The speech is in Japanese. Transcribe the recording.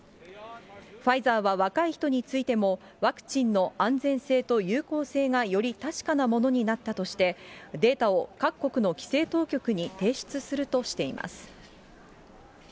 ファイザーは若い人についても、ワクチンの安全性と有効性がより確かなものになったとして、データを各国の規制当局に提出するとしています。